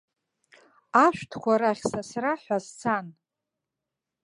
Ашәҭқәа рахь сасра ҳәа сцан.